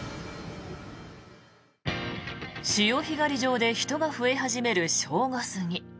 潮干狩り場で人が増え始める正午過ぎ。